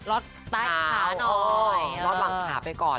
ลอดหลังขาไปก่อน